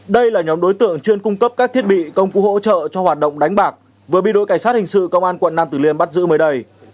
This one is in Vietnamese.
đây là nhóm đối tượng chuyên cung cấp các thiết bị công cụ hỗ trợ cho hoạt động đánh bạc vừa bị đội cảnh sát hình sự công an quận nam tử liêm bắt giữ mới đây